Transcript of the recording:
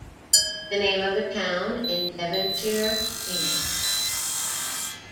The name of a town in Devonshire, England.